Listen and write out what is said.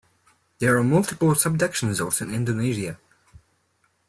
There are multiple subduction zones in Indonesia.